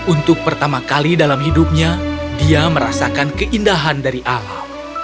untuk pertama kali dalam hidupnya dia merasakan keindahan dari alam